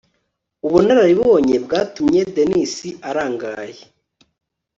ubunararibonye bwatumye dennis arangaye